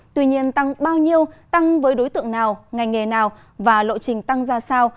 tuy nhiên tăng bao nhiêu tăng với đối tượng nào ngành nghề nào và lộ trình tăng ra sao